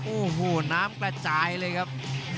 โอ้โหน้ำกระจายเลยครับ